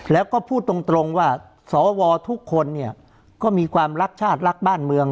แล้วก็พูดตรงว่าสวทุกคนเนี่ยก็มีความรักชาติรักบ้านเมือง